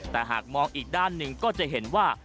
แต่หากมองอีกด้านหนึ่งก็จะเห็นว่า